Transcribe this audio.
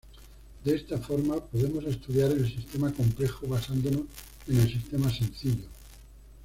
De esta forma, podemos estudiar el sistema complejo basándonos en el sistema sencillo.